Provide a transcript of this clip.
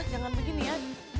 jangan begini ya